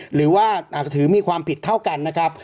หรือว่าอาจจะถือมีความผิดเท่ากันนะครับ